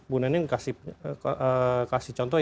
bu neneng kasih contoh